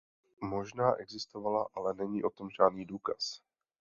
Možná existovala, ale není o tom žádný důkaz.